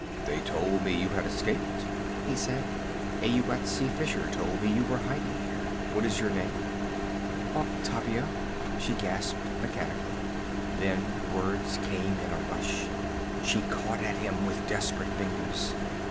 'They told me you had escaped,' he said. 'A Yuetshi fisher told me you were hiding here. What is your name?' 'Octavia,' she gasped mechanically. Then words came in a rush. She caught at him with desperate fingers.